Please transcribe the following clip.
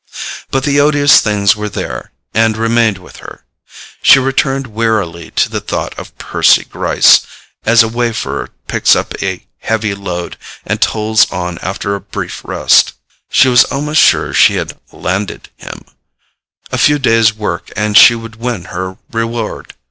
But the odious things were there, and remained with her. She returned wearily to the thought of Percy Gryce, as a wayfarer picks up a heavy load and toils on after a brief rest. She was almost sure she had "landed" him: a few days' work and she would win her reward.